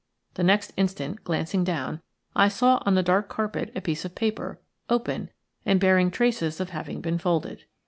The next instant, glancing down, I saw on the dark carpet a piece of paper, open, and bearing traces of having been folded.